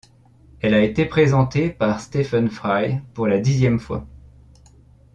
Elle a été présentée par Stephen Fry pour la dixième fois.